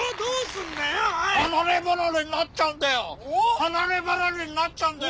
離れ離れになっちゃうんだよ。